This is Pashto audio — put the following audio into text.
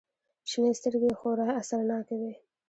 شنې سترگې يې خورا اثرناکې وې.